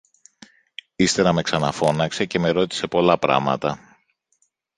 Ύστερα με ξαναφώναξε και με ρώτησε πολλά πράματα